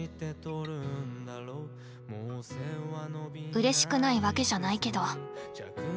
うれしくないわけじゃないけど。